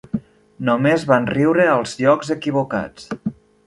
Només van riure als llocs equivocats.